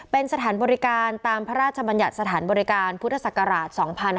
เป็นสถานบริการตามพระราชบัญญัติสถานบริการพุทธศักราช๒๕๕๙